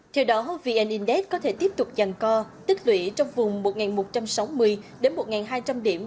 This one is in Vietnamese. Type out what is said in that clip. theo đó vn index có thể tiếp tục giàn co tức lũy trong vùng một một trăm sáu mươi đến một hai trăm linh điểm